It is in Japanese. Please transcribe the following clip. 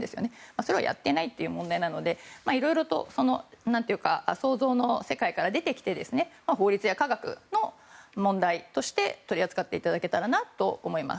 それをやってないという問題なのでいろいろと想像の世界から出てきて法律や科学の問題として取り扱っていただけたらなと思います。